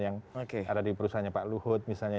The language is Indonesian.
yang ada di perusahaannya pak luhut misalnya